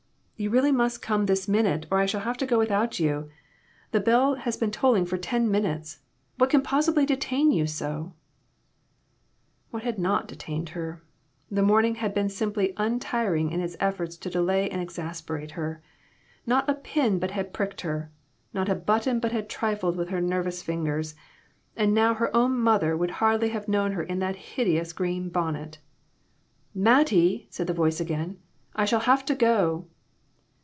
"You really must come this minute, or I shall have to go without IOO BONNETS, AND BURNS, AND BURDENS. you ; the bell has been tolling for ten minutes. What can possibly detain you so ?" What had not detained her ! The morning had been simply untiring in its efforts to delay and exasperate her. Not a pin but had pricked her; not a button but had trifled with her nervous fin gers ; and now her own mother would hardly have known her in that hideous green bonnet. " Mattie !" said the voice again, "I shall have to go."